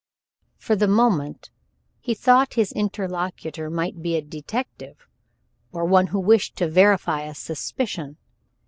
For the moment he thought his interlocutor might be a detective, or one who wished to verify a suspicion.